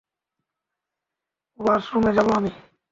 ওয়াশরুমে যাব আমি।